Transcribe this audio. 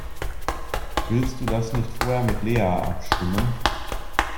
Willst du das nicht vorher mit Lea abstimmen?